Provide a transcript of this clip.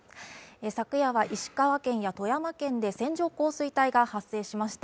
昨夜は石川県や富山県で線状降水帯が発生しました。